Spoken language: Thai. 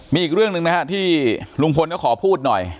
มีอีกเรื่องหนึ่งนะฮะที่ลุงพลก็ขอพูดหน่อย